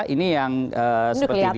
ini yang seperti dilihat ya